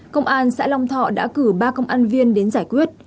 công an xã long thọ đã cử ba công an viên đến giải quyết